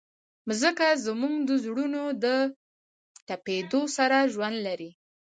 مځکه زموږ د زړونو د تپېدو سره ژوند لري.